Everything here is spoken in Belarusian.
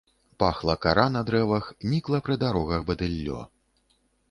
Пахла кара на дрэвах, нікла пры дарогах бадыллё.